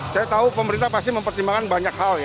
saya tahu pemerintah pasti mempertimbangkan banyak hal ya